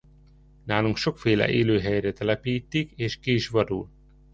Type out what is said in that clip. Nálunk sokféle élőhelyre telepítik és ki is vadul.